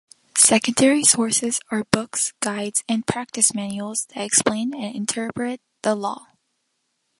Secondary sources are books, guides, and practice manuals that explain and interpret the law.